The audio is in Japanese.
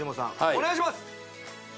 お願いします